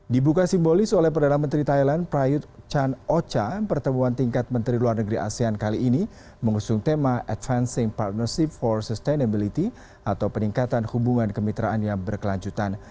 dibuka simbolis oleh perdana menteri thailand prayut chan ocha pertemuan tingkat menteri luar negeri asean kali ini mengusung tema advancing partnership for sustainability atau peningkatan hubungan kemitraan yang berkelanjutan